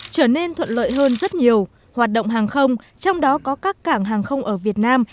trở nên thuận lợi hơn rất nhiều hoạt động hàng không trong đó có các cảng hàng không ở việt nam